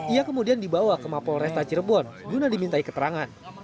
ia kemudian dibawa ke mapol resta cirebon guna dimintai keterangan